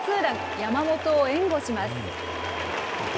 山本を援護します。